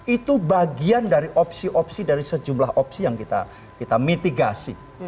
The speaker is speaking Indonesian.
itu bagian dari opsi opsi dari sejumlah opsi yang kita mitigasi